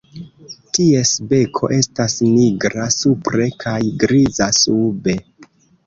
Ties beko estas nigra supre kaj griza sube.